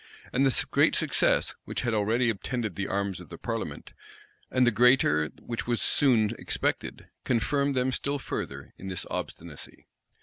And the great success which had already attended the arms of the parliament, and the greater which was soon expected, confirmed them still further in this obstinacy.